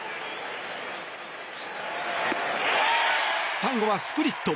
最後はスプリット。